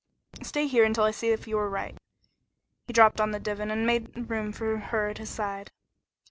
"Stay here until I see if you are right." He dropped on the divan and made room for her at his side.